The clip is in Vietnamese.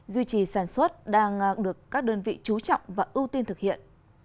duy trì sản xuất đang được các đơn vị trú trọng và ưu tiên thực hiện